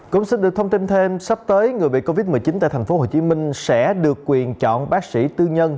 cũng sẽ được thông tin thêm sắp tới người bị covid một mươi chín tại tp hcm sẽ được quyền chọn bác sĩ tư nhân